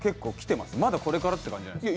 まだこれからって感じじゃないですか？